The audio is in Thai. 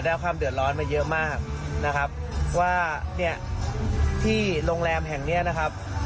ความเดือดร้อนมาเยอะมากนะครับว่าเนี่ยที่โรงแรมแห่งเนี้ยนะครับ